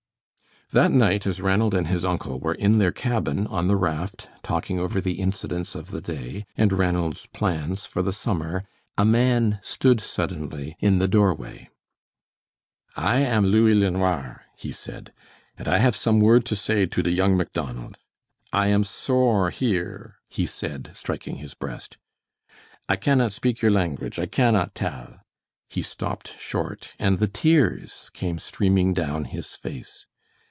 That night, as Ranald and his uncle were in their cabin on the raft talking over the incidents of the day, and Ranald's plans for the summer, a man stood suddenly in the doorway. "I am Louis LeNoir," he said, "and I have some word to say to de young Macdonald. I am sore here," he said, striking his breast. "I cannot spik your languige. I cannot tell." He stopped short, and the tears came streaming down his face.